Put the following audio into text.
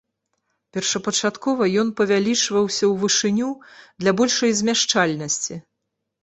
Першапачаткова ён павялічваўся ў вышыню, для большай змяшчальнасці.